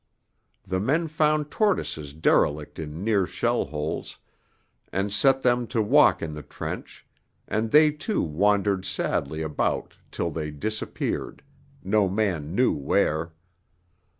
The men found tortoises derelict in near shell holes, and set them to walk in the trench, and they too wandered sadly about till they disappeared, no man knew where.